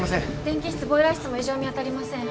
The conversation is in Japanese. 電気室ボイラー室も異常見当たりません